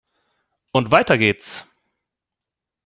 Und weiter geht's!